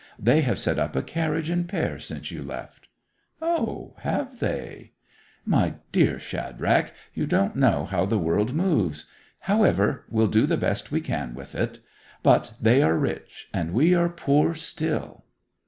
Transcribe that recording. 'They have set up a carriage and pair since you left.' 'O, have they?' 'My dear Shadrach, you don't know how the world moves. However, we'll do the best we can with it. But they are rich, and we are poor still!